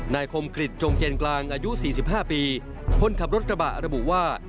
คมกริจจงเจนกลางอายุ๔๕ปีคนขับรถกระบะระบุว่า